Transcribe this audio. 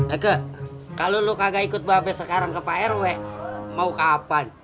eke kalau lo kagak ikut babeh sekarang ke prw mau kapan